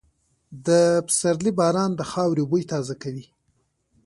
د پسرلي باران د خاورې بوی تازه کوي.